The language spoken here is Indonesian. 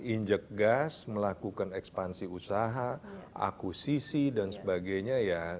injek gas melakukan ekspansi usaha akusisi dan sebagainya ya